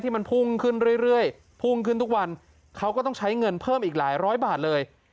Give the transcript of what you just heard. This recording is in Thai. มันพุ่งขึ้นเรื่อยพุ่งขึ้นทุกวันเขาก็ต้องใช้เงินเพิ่มอีกหลายร้อยบาทเลย